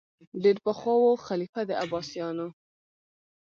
ډېر پخوا وو خلیفه د عباسیانو